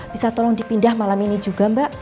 bisa tolong dipindah malam ini juga mbak